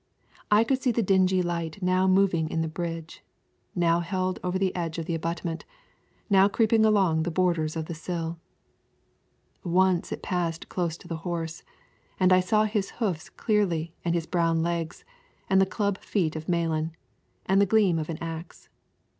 I could see the dingy light now moving in the bridge, now held over the edge of the abutment, now creeping along the borders of the sill. Once it passed close to the horse, and I saw his hoofs clearly and his brown legs, and the club feet of Malan, and the gleam of an axe.